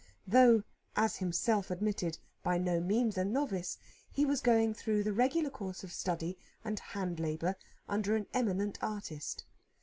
Though, as himself admitted, by no means a novice, he was going through the regular course of study and hand labour under an eminent artist.